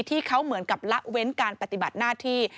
ที่เขาเหมือนกับละเว้นการปฏิบัติหน้าที่